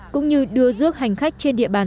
cũng như đưa rước hành khách trên địa bàn